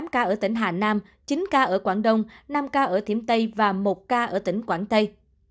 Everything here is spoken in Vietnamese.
tám ca ở tỉnh hà nam chín ca ở quảng đông năm ca ở thiểm tây và một ca ở tỉnh quảng tây